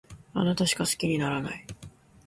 あなたしか好きにならない